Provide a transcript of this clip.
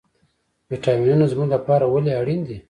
ویټامینونه زموږ لپاره ولې اړین دي